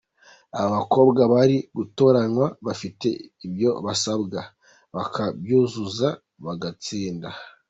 aba bakobwa bari gutoranywa bafite ibyo basabwe, bakabyuzuza bagatsinda.